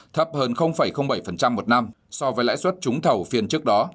thấp hơn bảy một năm so với lãi suất trúng thầu phiên trước đó